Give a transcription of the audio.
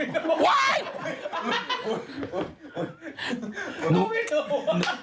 หนูไม่หนูอ่ะ